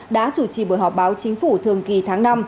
đã chủ trì buổi họp báo chính phủ thường kỳ tháng năm